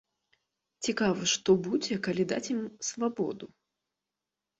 Цікава, што будзе, калі даць ім свабоду?